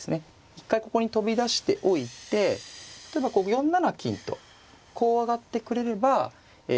一回ここに飛び出しておいて例えば４七金とこう上がってくれればえ